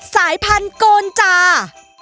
สายพันธุ์โกนจา